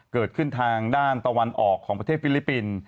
ทางด้านตะวันออกของประเทศฟิลิปปินส์